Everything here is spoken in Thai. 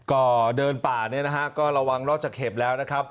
ก็เดินป่าเนี่ยนะฮะก็ระวังนอกจากเห็บแล้วนะครับ